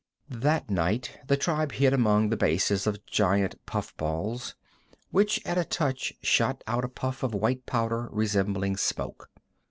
That night the tribe hid among the bases of giant puff balls, which at a touch shot out a puff of white powder resembling smoke.